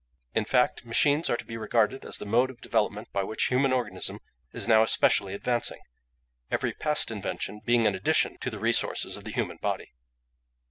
In fact, machines are to be regarded as the mode of development by which human organism is now especially advancing, every past invention being an addition to the resources of the human body.